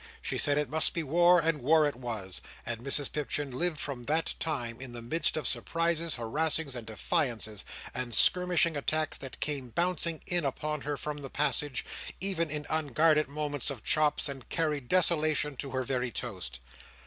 She said it must be war, and war it was; and Mrs Pipchin lived from that time in the midst of surprises, harassings, and defiances, and skirmishing attacks that came bouncing in upon her from the passage, even in unguarded moments of chops, and carried desolation to her very toast.